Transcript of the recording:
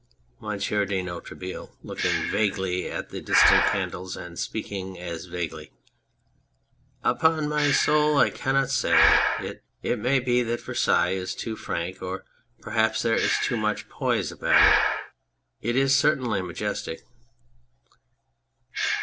MONSIEUR DE NOIRETABLE (looking vaguely at the distant cand'es and speaking as vaguely}. Upon my soul I cannot say !... It may be that Versailles is too frank or perhaps there is too much poise about it ... it is certainly majestic.